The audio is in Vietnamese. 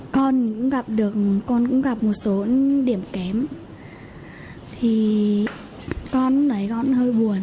con cũng gặp được con cũng gặp một số điểm kém thì con đấy con hơi buồn